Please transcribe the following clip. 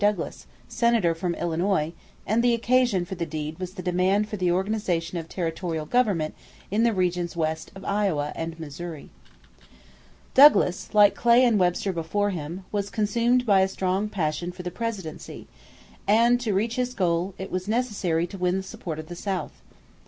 Douglas, Senator from Illinois, and the occasion for the deed was the demand for the organization of territorial government in the regions west of Iowa and Missouri. Douglas, like Clay and Webster before him, was consumed by a strong passion for the presidency, and, to reach his goal, it was necessary to win the support of the South.